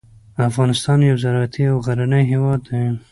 افغانستان یو زراعتي او غرنی هیواد دی.